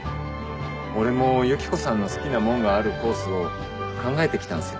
俺もユキコさんの好きなもんがあるコースを考えて来たんすよ。